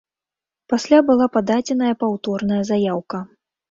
Пасля была пададзеная паўторная заяўка.